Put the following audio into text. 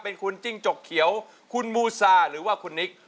เป็นคุณจิ้งจกเขียวคุณมูซาหรือว่าคุณนิก